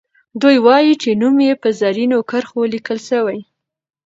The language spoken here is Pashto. دوي وايي چې نوم یې په زرینو کرښو لیکل سوی.